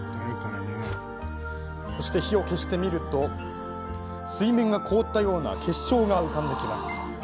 火を消してみるとまるで水面が凍ったような結晶が浮かびます。